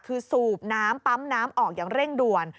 คือสูบน้ำปั๊มน้ำออกอย่างเร่งด่วน